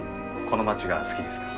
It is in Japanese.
この街が好きですか？